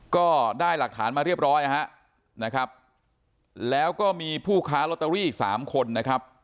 ก็ได้หลักฐานมาเรียบร้อยนะฮะแล้วก็มีผู้ค้าลอตเตอรี่สามคนนะครับ